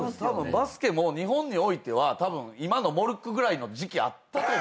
バスケも日本においてはたぶん今のモルックぐらいの時期あったと思うんすよ。